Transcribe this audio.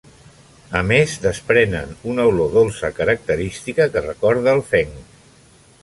A més, desprenen una olor dolça característica que recorda el fenc.